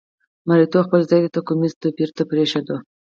مریتوب خپل ځای توکمیز توپیر ته پرېښود.